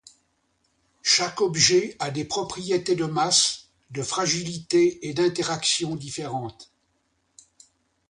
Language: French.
Chaque objet a des propriétés de masse, de fragilité et d'interactions différentes.